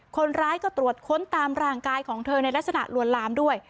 คนร้ายก็ตรวจค้นตามร่างกายของเธอในลักษณะลวนลามด้วย